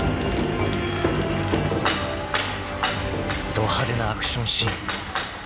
［ど派手なアクションシーン］